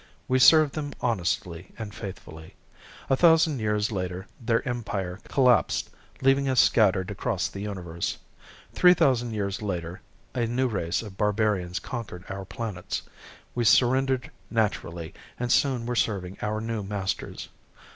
We served them honestly and faithfully. A thousand years later their empire collapsed leaving us scattered across the universe. Three thousand years later a new race of barbarians conquered our planets. We surrendered naturally and soon were serving our new masters.